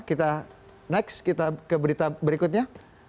kita next kita ke berita berikutnya